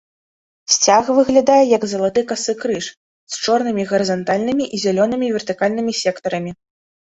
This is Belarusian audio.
Сцяг выглядае як залаты касы крыж, з чорнымі гарызантальнымі і зялёнымі вертыкальнымі сектарамі.